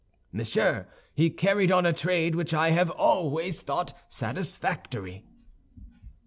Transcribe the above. "Monsieur, he carried on a trade which I have always thought satisfactory."